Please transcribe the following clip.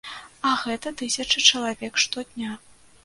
А гэта тысячы чалавек штодня.